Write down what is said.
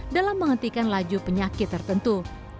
dalam menghentikan laju penyakit tertentu